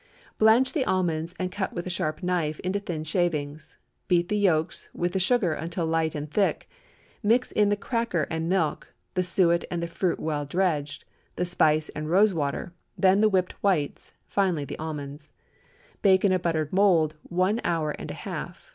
Blanch the almonds and cut with a sharp knife into thin shavings. Beat the yolks with the sugar until light and thick; mix in the cracker and milk; the suet and the fruit well dredged; the spice and rose water; then the whipped whites, finally the almonds. Bake in a buttered mould one hour and a half.